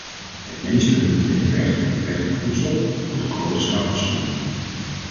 Het meest fundamentele recht, het recht op voedsel, wordt op grote schaal geschonden.